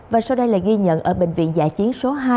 và sau đây là ghi nhận ở bệnh viện dạ chiến số hai